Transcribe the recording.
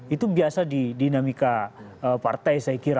itu biasa di dinamika partai saya kira